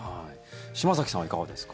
島崎さんはいかがですか？